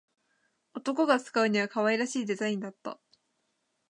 男が使うには可愛らしいデザインだった